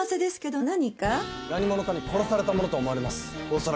何者かに殺されたものと思われます。